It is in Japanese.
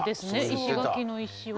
石垣の石は。